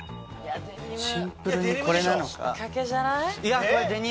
シンプルにこれなのか？